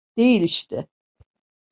Değil işte.